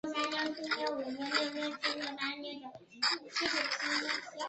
韩信勋冠三杰。